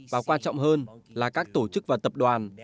và quan trọng hơn là các tổ chức và tập đoàn